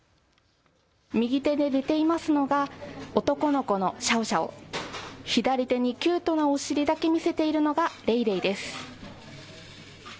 右手で寝ていますのが、男の子のシャオシャオ、左手にキュートなお尻だけ見せているのがレイレイです。